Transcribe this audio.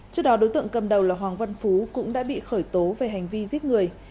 trước đó đối tượng cầm đầu là hoàng văn phú cũng đã bị khởi tố về hành vi giết người